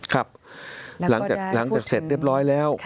ครับหลังจากเสร็จเรียบร้อยแล้ว